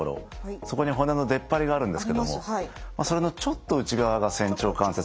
そこに骨の出っ張りがあるんですけれどもそれのちょっと内側が仙腸関節になります。